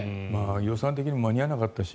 予算的に間に合わなかったし。